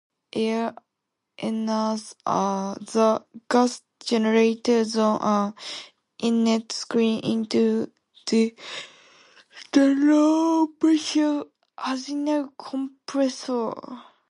Air enters the gas-generator through an inlet screen into the low-pressure axial compressor.